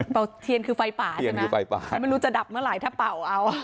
เป่าเทียนคือไฟป่าใช่ไหมแต่ไม่รู้จะดับเมื่อไหร่ถ้าเป่า